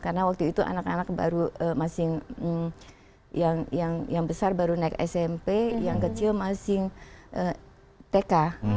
karena waktu itu anak anak yang besar baru naik smp yang kecil masih tk